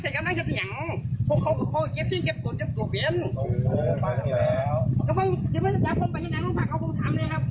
กำลังจะจับผมไปที่นั่งลงภาคเอาผมทำเลยครับ